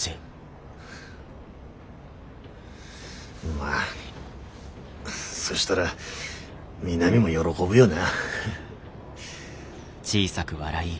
まあそしたら美波も喜ぶよな。